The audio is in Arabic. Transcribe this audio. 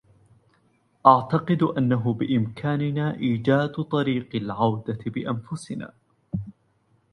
أعتقد أنه بإمكاننا إيجاد طريق العودة بأنفسنا.